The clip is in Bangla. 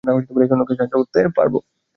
আমরা একে অন্যকে সাহায্য করবো।